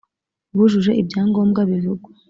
bujuje ibya ngombwa bivugwa